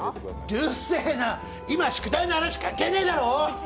うるせえな、今、宿題の話関係ねえだろ。